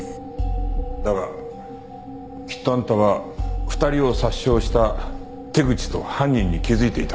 だがきっとあんたは２人を殺傷した手口と犯人に気づいていた。